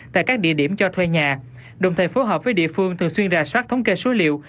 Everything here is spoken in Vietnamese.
tại các địa điểm cho thuê nhà đồng thời phối hợp với địa phương thường xuyên rà soát thống kê số liệu